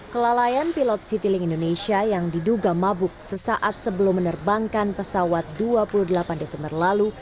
kelalaian pilot citylink indonesia yang diduga mabuk sesaat sebelum menerbangkan pesawat dua puluh delapan desember lalu